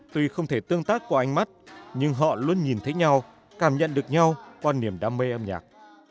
tuy không thể tương tác qua ánh mắt nhưng họ luôn nhìn thấy nhau cảm nhận được nhau qua niềm đam mê âm nhạc